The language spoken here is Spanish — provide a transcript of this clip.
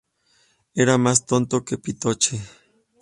Era más tonto que Pichote